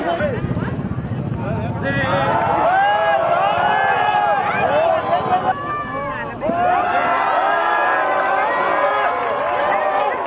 สวัสดีทุกคน